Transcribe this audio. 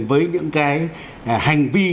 với những cái hành vi